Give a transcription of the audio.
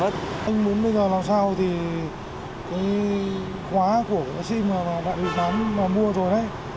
anh muốn bây giờ làm sao thì cái khóa của sim đại lý đã mua rồi đấy